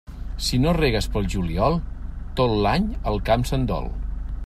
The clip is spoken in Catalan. Si no regues pel juliol, tot l'any el camp se'n dol.